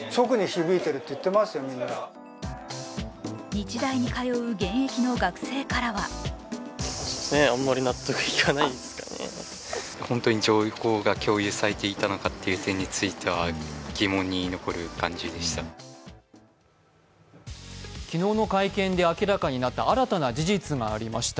日大に通う現役の学生からは昨日の会見で明らかになった新たな事実がありました。